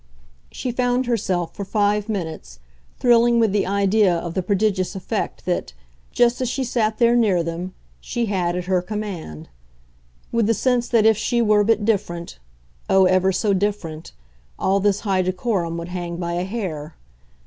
She found herself, for five minutes, thrilling with the idea of the prodigious effect that, just as she sat there near them, she had at her command; with the sense that if she were but different oh, ever so different! all this high decorum would hang by a hair.